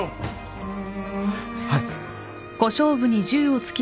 はい。